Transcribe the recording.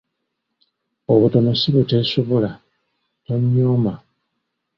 Obutono si buteesobula, tonnyooma.